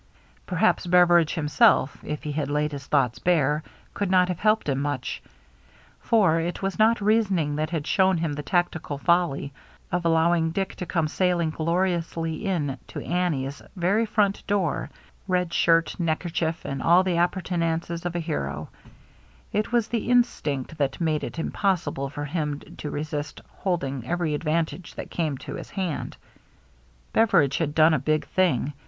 Perhaps Beveridge himself, if he had laid his thoughts bare, could not have helped him much. For it was not reasoning that had shown him the tactical folly of allowing Dick to come sailing gloriously in to Annie's very front door, — red shirt, neckerchief, and all the appurtenances of a hero ; it was the instinct that made it impos sible for him to resist holding every advantage that came to his hand. Beveridge had done a big thing.